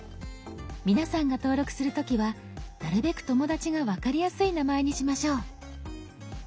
皆さんが登録する時はなるべく友だちが分かりやすい名前にしましょう。